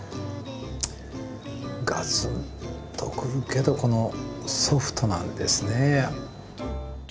ガツンと来るけどソフトなんですね。